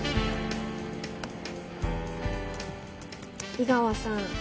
井川さん